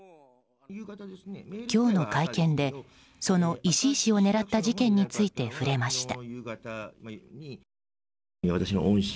今日の会見で、その石井氏を狙った事件について触れました。